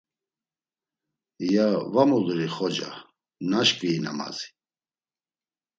“Ya, va muluri xoca? Naşǩvii namazi?”